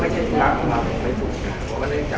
เพราะฉะนั้นเราจะคิดว่าไม่ใช่ตัวละก็ไม่ถูกนะ